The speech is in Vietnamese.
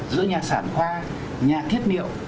giữa nhà sản khoa nhà thiết niệu